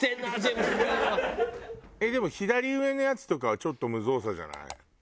でも左上のやつとかはちょっと無造作じゃない？